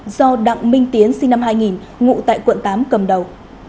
do đặng minh tiến sinh năm hai nghìn ngụ tại quận tám cầm đầu